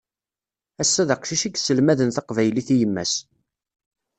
Ass-a d aqcic i isselmaden taqbaylit i yemma-s.